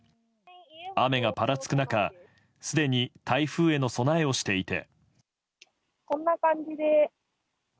雨がぱらつく中すでに台風への備えをしていて。